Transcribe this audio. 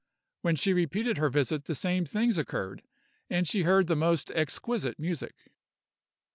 When she repeated her visit the same things occurred, and she heard the most exquisite music.